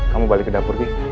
kamu balik ke dapur deh